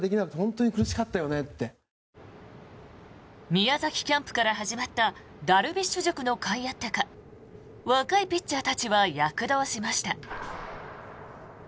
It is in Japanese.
宮崎キャンプから始まったダルビッシュ塾のかいあってか若いピッチャーたちは躍動しました。